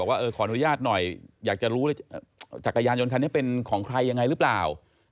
ว่าเออขออนุญาตหน่อยอยากจะรู้เลยจักรยานยนต์คันนี้เป็นของใครยังไงหรือเปล่า